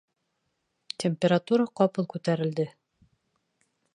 Температура ҡапыл күтәрелде